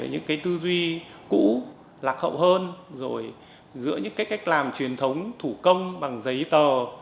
những cái tư duy cũ lạc hậu hơn rồi giữa những cái cách làm truyền thống thủ công bằng giấy tờ